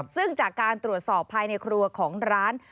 ซึ่งจากการตรวจสอบภายในครัวของร้าน